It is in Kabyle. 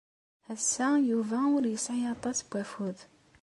Ass-a, Yuba ur yesɛi aṭas n wafud.